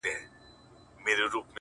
وغورځول _